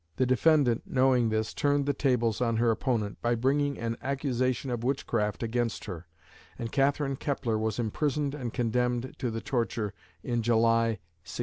The defendant, knowing this, turned the tables on her opponent by bringing an accusation of witchcraft against her, and Catherine Kepler was imprisoned and condemned to the torture in July, 1620.